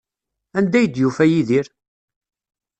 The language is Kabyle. Anda ay d-yufa Yidir?